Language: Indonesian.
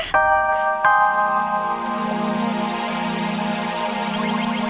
ibu ikut senang selamat ya